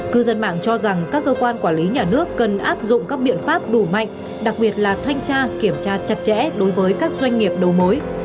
cư dân mạng cho rằng các cơ quan quản lý nhà nước cần áp dụng các biện pháp đủ mạnh đặc biệt là thanh tra kiểm tra chặt chẽ đối với các doanh nghiệp đầu mối